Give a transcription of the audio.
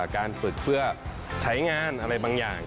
การฝึกเพื่อใช้งานอะไรบางอย่าง